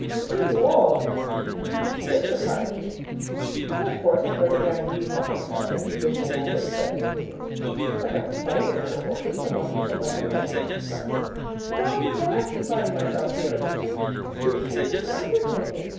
Between you all you hypnotized me. And then of course, after I began reading up on the subject and visiting all those seventeen institutions, I got excited over orphans, and wanted to put my own ideas into practice. But now I'm aghast at finding myself here; it's such a stupendous undertaking.